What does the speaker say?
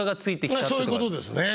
そういうことですね。